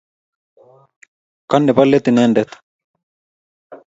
Ko nepo let inendet